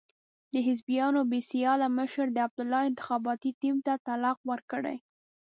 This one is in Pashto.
د حزبیانو بې سیاله مشر د عبدالله انتخاباتي ټیم ته طلاق ورکړی.